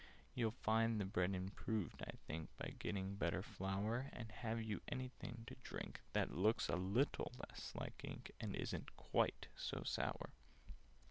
"You'd find the bread improved, I think, By getting better flour: And have you anything to drink That looks a little less like ink, And isn't quite so sour?"